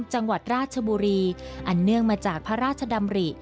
จังหวัดราชบุรีอันเนื่องมาจากพระราชดำริ